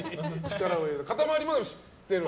かたまりも知ってると。